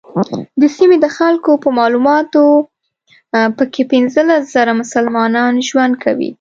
د سیمې د خلکو په معلوماتو په کې پنځلس زره مسلمانان ژوند کوي.